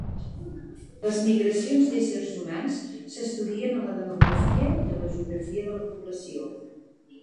Les migracions d'éssers humans s'estudien en la demografia i en la geografia de la població.